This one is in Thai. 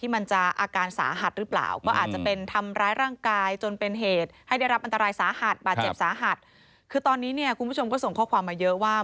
บาดเจ็บสาหัสคือตอนนี้คุณผู้ชมก็ส่งข้อความมาเยอะว่า